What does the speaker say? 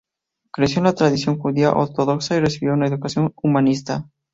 Creció en la tradición judía ortodoxa y recibió una educación humanista.